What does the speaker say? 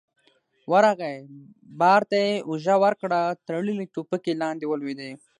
ورغی، بار ته يې اوږه ورکړه، تړلې ټوپکې لاندې ولوېدې.